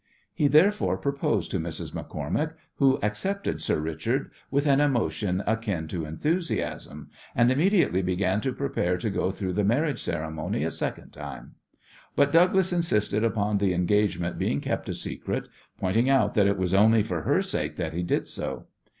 He therefore proposed to Mrs. MacCormack, who accepted "Sir Richard" with an emotion akin to enthusiasm, and immediately began to prepare to go through the marriage ceremony a second time. But Douglas insisted upon the engagement being kept a secret, pointing out that it was only for her sake that he did so.